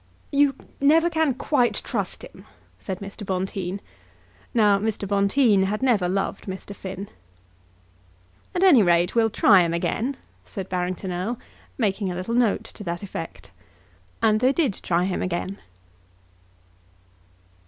"You never can quite trust him," said Bonteen. Now Mr. Bonteen had never loved Mr. Finn. "At any rate we'll try him again," said Barrington Erle, making a little note to that effect. And they did try him again.